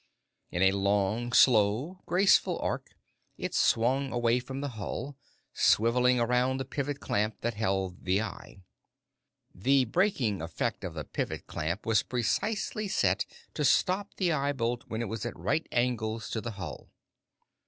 In a long, slow, graceful arc, it swung away from the hull, swiveling around the pivot clamp that held the eye. The braking effect of the pivot clamp was precisely set to stop the eye bolt when it was at right angles to the hull.